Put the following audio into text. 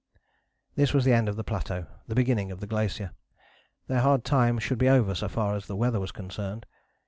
" This was the end of the plateau: the beginning of the glacier. Their hard time should be over so far as the weather was concerned.